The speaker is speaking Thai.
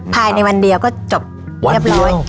ภายในวันเดียวก็จบเรียบร้อย